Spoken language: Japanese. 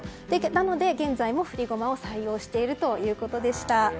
なので現在も振り駒を採用しているということでした。